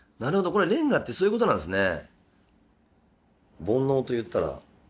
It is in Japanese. これ連歌ってそういうことなんですね。